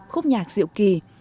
khúc nhạc diệu kỳ